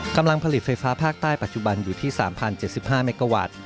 กำลังผลิตไฟฟ้าภาคใต้ปัจจุบันอยู่ที่๓๐๗๕เมกาวัตต์